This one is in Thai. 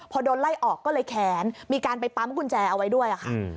พอโดนไล่ออกก็เลยแค้นมีการไปปั๊มกุญแจเอาไว้ด้วยค่ะ